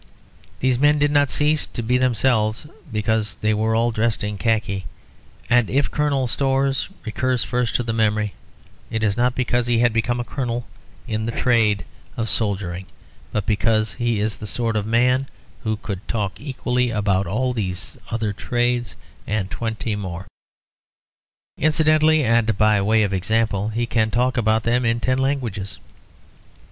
These men did not cease to be themselves because they were all dressed in khaki; and if Colonel Storrs recurs first to the memory, it is not because he had become a colonel in the trade of soldiering, but because he is the sort of man who could talk equally about all these other trades and twenty more. Incidentally, and by way of example, he can talk about them in about ten languages.